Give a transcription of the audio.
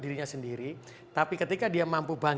dirinya sendiri tapi ketika dia mampu bahas tentang kesehatan